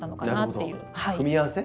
組み合わせ？